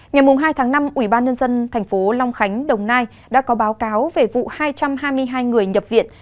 ngày hai tháng năm ubnd tp long khánh đồng nai đã có báo cáo về vụ hai trăm hai mươi hai người nhập viện